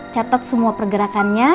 catat semua pergerakannya